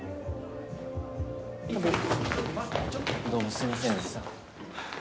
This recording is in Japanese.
どうもすみませんでした。